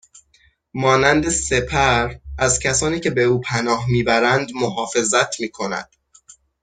مانند سپر ازکسانی که به او پناه میبرند محافظت میکند